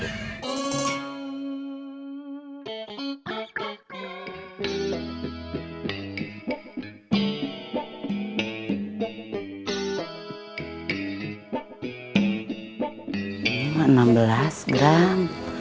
ini enam belas gram